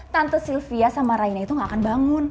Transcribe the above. tante sylvia sama raina itu gak akan bangun